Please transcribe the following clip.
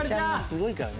すごいから。